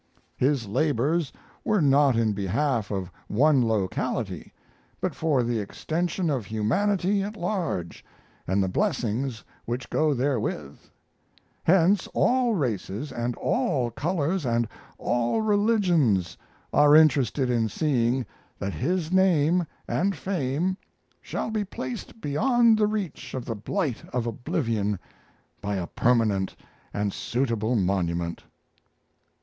His labors were not in behalf of one locality, but for the extension of humanity at large and the blessings which go therewith; hence all races and all colors and all religions are interested in seeing that his name and fame shall be placed beyond the reach of the blight of oblivion by a permanent and suitable monument.